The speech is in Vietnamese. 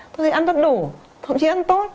thôi ăn vất đủ thậm chí ăn tốt